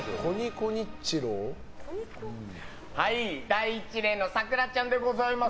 第１レーンのさくらちゃんでございます。